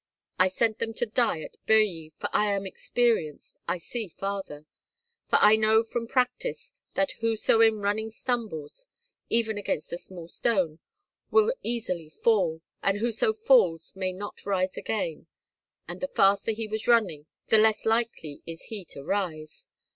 I sent them to die at Birji, for I am experienced, I see farther; for I know from practice that whoso in running stumbles, even against a small stone, will easily fall, and whoso falls may not rise again, and the faster he was running the less likely is he to rise.